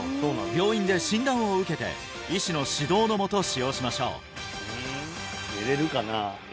病院で診断を受けて医師の指導のもと使用しましょう寝れるかな？